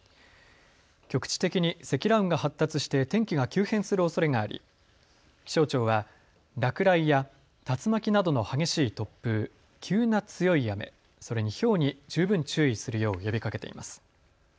局地的に積乱雲が発達して天気が急変するおそれがあり気象庁は落雷や竜巻などの激しい突風、急な強い雨、それにひょうに十分注意するよう呼びかけています。